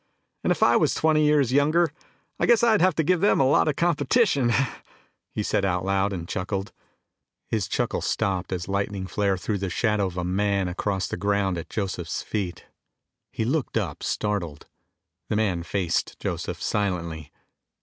"And if I was twenty years younger I guess I'd try to give them a lot of competition!" he said aloud and chuckled. His chuckle stopped as lightning flare threw the shadow of a man across the ground at Joseph's feet. He looked up, startled. The man faced Joseph silently.